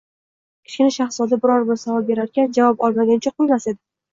Kichkina shahzoda biror-bir savol berarkan, javob olmagunicha qo‘ymas edi.